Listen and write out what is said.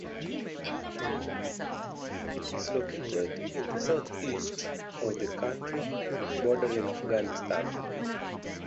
It is located in the south-east of the country, bordering Afghanistan.